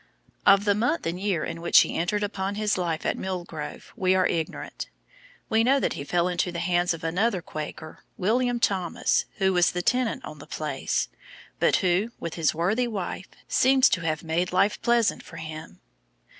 Of the month and year in which he entered upon his life at Mill Grove, we are ignorant. We know that he fell into the hands of another Quaker, William Thomas, who was the tenant on the place, but who, with his worthy wife, seems to have made life pleasant for him.